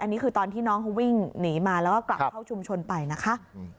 อันนี้คือตอนที่น้องเขาวิ่งหนีมาแล้วก็กลับเข้าชุมชนไปนะคะ